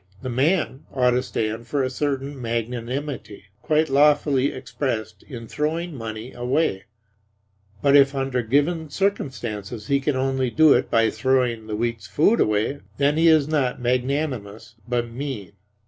The man ought to stand for a certain magnanimity, quite lawfully expressed in throwing money away: but if under given circumstances he can only do it by throwing the week's food away, then he is not magnanimous, but mean.